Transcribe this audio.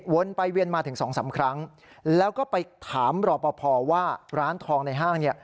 ไปเวียนมาถึงสองสามครั้งแล้วก็ไปถามรอปภว่าร้านทองในห้างเนี่ย